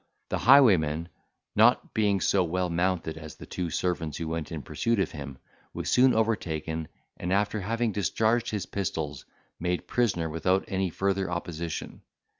The highwayman, not being so well mounted as the two servants who went in pursuit of him, was soon overtaken, and, after having discharged his pistols, made prisoner without any further opposition.